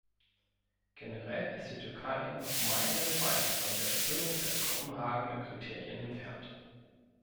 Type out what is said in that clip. Generell ist die Türkei noch meilenweit von der Erfüllung der Kopenhagener Kriterien entfernt.